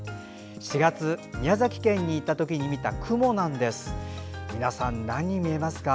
４月、宮崎県に行った時に見た雲皆さん、何に見えますか？